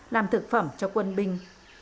làm thực phẩm cho quân binh